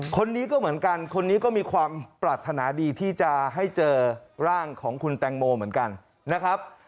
คนนี้ก็เหมือนกันคนนี้ก็มีความปรารถนาดีที่จะให้เจอร่างของคุณแตงโมเหมือนกันนะครับ